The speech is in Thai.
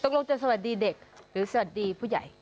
ตกลงจะสวัสดีเด็กหรือสวัสดีผู้ใหญ่